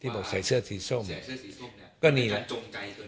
ที่บอกใส่เสื้อสีส้มเสื้อสีส้มเนี้ยก็นี่แหละจงใจเกินไป